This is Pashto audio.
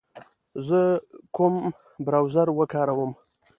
زه کوم براوزر و کاروم